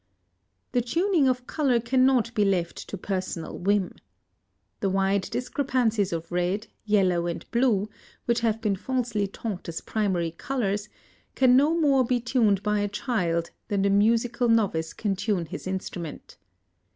The Tuning of Color cannot be left to Personal Whim. The wide discrepancies of red, yellow, and blue, which have been falsely taught as primary colors, can no more be tuned by a child than the musical novice can tune his instrument.